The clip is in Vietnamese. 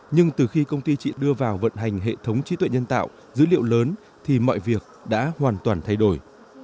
nhưng từ khi công ty chị đưa vào vận hành hệ thống trí tuệ nhân tạo dữ liệu lớn thì mọi việc đã hoàn toàn thay đổi